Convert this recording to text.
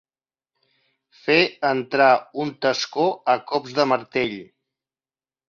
Fer entrar un tascó a cops de martell.